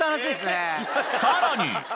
さらに！